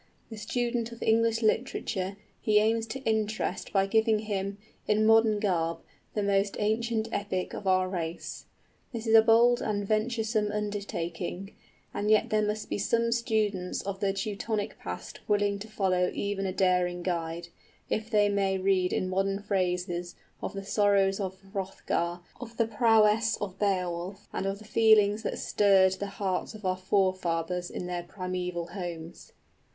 The student of English literature he aims to interest by giving him, in modern garb, the most ancient epic of our race. This is a bold and venturesome undertaking; and yet there must be some students of the Teutonic past willing to follow even a daring guide, if they may read in modern phrases of the sorrows of Hrothgar, of the prowess of Beowulf, and of the feelings that stirred the hearts of our forefathers in their primeval homes.